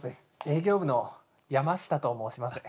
営業部の山下と申します。